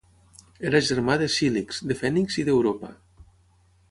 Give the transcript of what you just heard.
Era germà de Cílix, de Fènix i d'Europa.